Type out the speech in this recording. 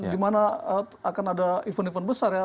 di mana akan ada event event besar ya